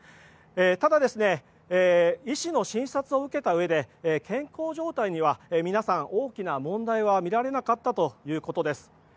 ただ、医師の診察を受けたうえで健康状態には皆さん、大きな問題は見られなかったということです。